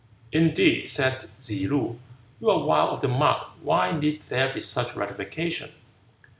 "Indeed," said Tzse loo, "you are wide of the mark. Why need there be such rectification?"